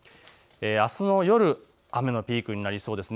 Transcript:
あすの夜、雨のピークになりそうです。